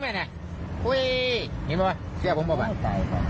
มีขวดเหล้านะครับ๑ขวด